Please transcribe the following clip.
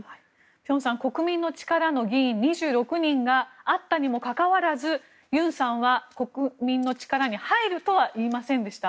辺さん国民の力の議員２６人が会ったにもかかわらずユンさんは国民の力に入るとは言いませんでした。